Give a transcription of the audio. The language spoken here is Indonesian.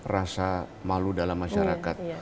rasa malu dalam masyarakat